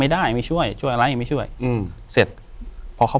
อยู่ที่แม่ศรีวิรัยยิวยวลครับ